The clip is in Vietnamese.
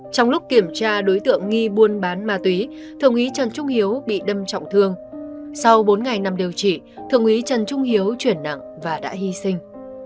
trong lúc kiểm tra đối tượng nghi buôn bán ma túy thượng úy trần trung hiếu bị đâm trọng thương sau bốn ngày nằm điều trị thượng úy trần trung hiếu chuyển nặng và đã hy sinh